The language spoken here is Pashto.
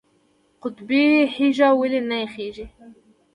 قطبي هیږه ولې نه یخیږي؟